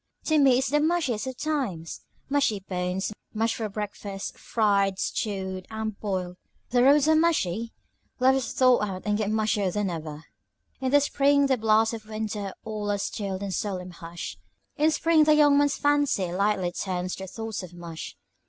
"To me it's the mushiest of times. Mushy bones; mushy poetry; mush for breakfast, fried, stewed, and boiled. The roads are mushy; lovers thaw out and get mushier than ever. "In the spring the blasts of winter all are stilled in solemn hush. In the spring the young man's fancy lightly turns to thoughts of mush.